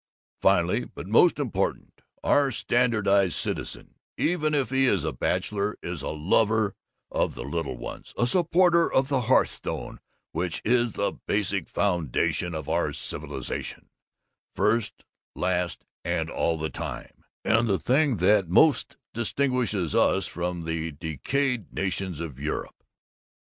"'Finally, but most important, our Standardized Citizen, even if he is a bachelor, is a lover of the Little Ones, a supporter of the hearthstone which is the basic foundation of our civilization, first, last, and all the time, and the thing that most distinguishes us from the decayed nations of Europe.